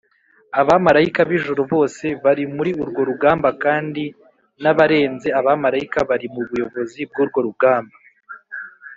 abamarayika b’ijuru bose bari muri urwo rugamba kandi n’abarenze abamarayika bari mu buyobozi bw’urwo rugamba